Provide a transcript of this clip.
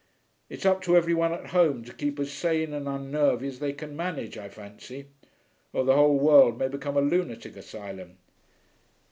It's up to every one at home to keep as sane and unnervy as they can manage, I fancy, or the whole world may become a lunatic asylum....